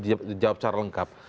dijawab secara lengkap